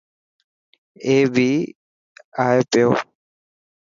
اي بي ائي پيو.